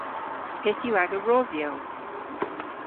Pyth yw aga rwodhyow?